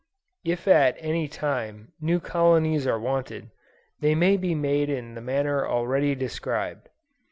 If at any time, new colonies are wanted, they may be made in the manner already described.